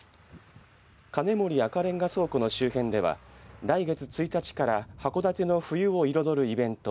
金森赤レンガ倉庫の周辺では来月１日から函館の冬を彩るイベント